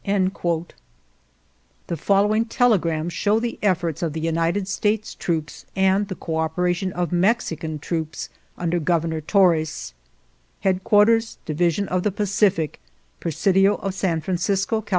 ••••• The following telegrams show the efforts of the United States troops and the coop eration of Mexican troops under Governor Torres :" Headquarters Division of the Pacific, " Presidio of San Francisco, Cal.